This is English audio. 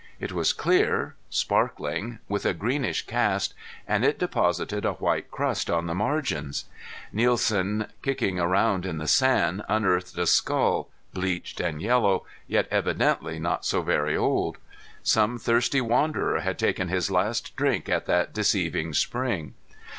It was clear, sparkling, with a greenish cast, and it deposited a white crust on the margins. Nielsen, kicking around in the sand, unearthed a skull, bleached and yellow, yet evidently not so very old. Some thirsty wanderer had taken his last drink at that deceiving spring.